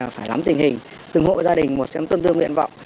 phải lắm tình hình từng hộ gia đình một xem tương tư nguyện vọng